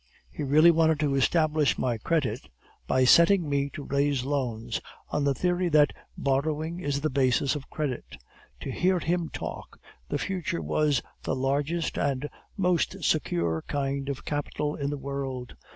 He really wanted to establish my credit by setting me to raise loans, on the theory that borrowing is the basis of credit. To hear him talk, the future was the largest and most secure kind of capital in the world.